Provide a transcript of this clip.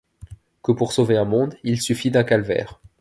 Que pour sauver un monde il suffit d’un calvaire